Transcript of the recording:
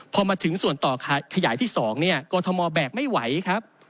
พอมาถึงส่วนต่อขยายที่๒เนี่ยกรทมแบกไม่ไหวครับ